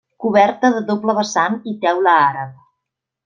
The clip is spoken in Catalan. Coberta de doble vessant i teula àrab.